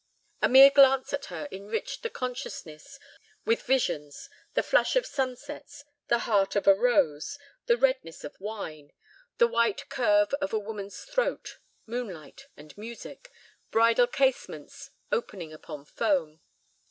A mere glance at her enriched the consciousness with visions, the flush of sunsets, the heart of a rose, the redness of wine, the white curve of a woman's throat, moonlight and music, bridal casements opening upon foam.